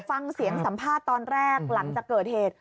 ฟังเสียงสัมภาษณ์ตอนแรกหลังจากเกิดเหตุ